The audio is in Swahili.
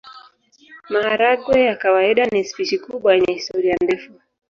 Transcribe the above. Maharagwe ya kawaida ni spishi kubwa yenye historia ndefu.